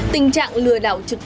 tình trạng lừa đảo trực tiếp